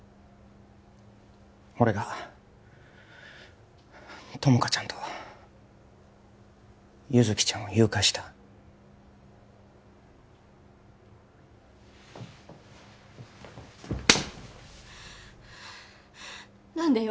俺が友果ちゃんと優月ちゃんを誘拐した何でよ？